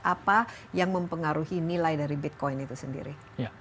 apa yang mempengaruhi nilai dari bitcoin itu sendiri